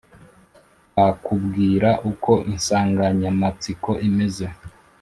bakubwira uko insanganyamatsiko imeze